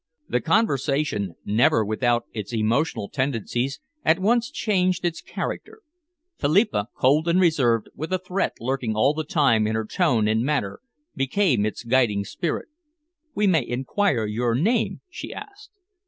The conversation, never without its emotional tendencies, at once changed its character. Philippa, cold and reserved, with a threat lurking all the time in her tone and manner, became its guiding spirit. "We may enquire your name?" she asked.